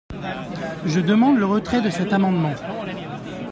Je demande le retrait de cet amendement.